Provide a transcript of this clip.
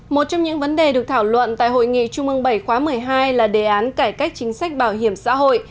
một trong những vấn đề được thảo luận tại hội nghị trung ương bảy khóa một mươi hai là đề án cải cách chính sách bảo hiểm xã hội